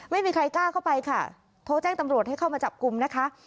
ไม่มีใครกล้าเข้าไปค่ะโทรแจ้งตำรวจให้เข้ามาจับกลุ่มนะคะ